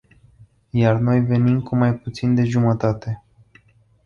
Iar noi venim cu mai puțin de jumătate.